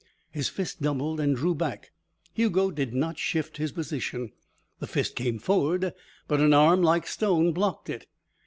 His fist doubled and drew back. Hugo did not shift his position. The fist came forward, but an arm like stone blocked it.